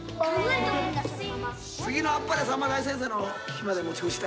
「次の『あっぱれさんま大先生』の日まで持ち越したい」